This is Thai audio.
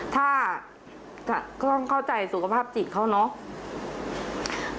ถ้าก็ต้องเข้าใจสุขภาพจิตเขาเนาะ